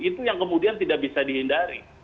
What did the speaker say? itu yang kemudian tidak bisa dihindari